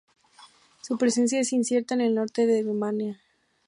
Su presencia es incierta en el norte de Birmania.